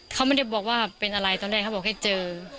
เขาไม่ได้บอกว่าเป็นอะไรเดี๋ยวแกบอกว่าให้เจอ